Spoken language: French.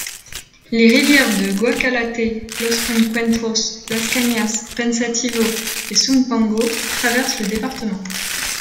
Les rivières de Guacalate, Los Encuentros, Las Cañas, Pensativo et Sumpango traversent le département.